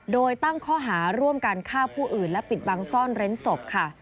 โดยตั้งข้อหาร่วมการฆ่าผู้อื่นและปิดบังซ่อนเร้นศพค่ะ